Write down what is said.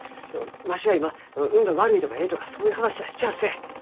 わしは今運が悪いとかえいとかそういう話はしちゃあせん！